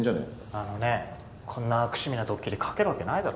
あのねこんな悪趣味なドッキリ掛けるわけないだろ。